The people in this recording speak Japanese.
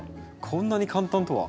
こんなに簡単とは。